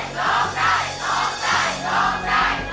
น้องผิดครับ